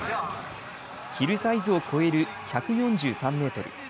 ヒルサイズを超える１４３メートル。